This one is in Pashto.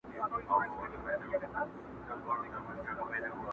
ډکي هدیرې به سي تشي بنګلې به سي!!